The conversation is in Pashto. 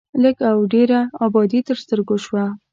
لږ او ډېره ابادي تر سترګو شوه.